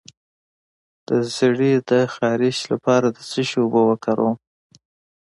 د زیړي د خارښ لپاره د څه شي اوبه وکاروم؟